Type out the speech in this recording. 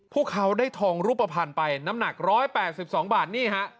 พวกเขาได้ทองรูปภัณฑ์ไปน้ำหนัก๑๘๒บาทนี่ฮะ